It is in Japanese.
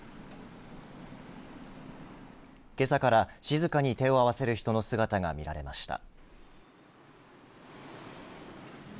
けさから静かに手を合わせる人の姿が見られました。